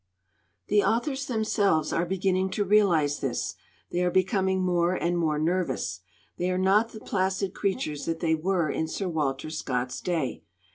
"The authors themselves are beginning to realize this. They are becoming more and more nervous. They are not the placid creatures that they were in Sir Walter Scott's day.